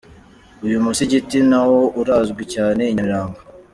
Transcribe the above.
Uyu musigiti na wo urazwi cyane i Nyamirambo.